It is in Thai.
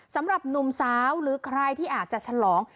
สำหรับหนุ่มสาวหรือใครที่อาจจะฉลอง